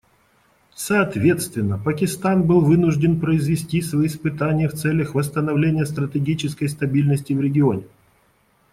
Соответственно, Пакистан был вынужден произвести свои испытания в целях восстановления стратегической стабильности в регионе.